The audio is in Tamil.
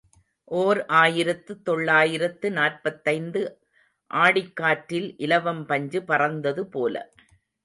ஓர் ஆயிரத்து தொள்ளாயிரத்து நாற்பத்தைந்து ஆடிக் காற்றில் இலவம் பஞ்சு பறந்தது போல.